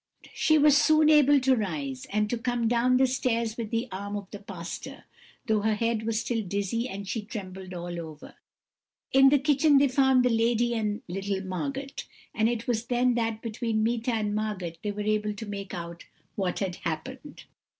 "She was soon able to arise, and to come down the stairs with the arm of the pastor, though her head was still dizzy and she trembled all over. In the kitchen they found the lady and little Margot; and it was then that, between Meeta and Margot, they were able to make out what had happened.